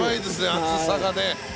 暑さがね。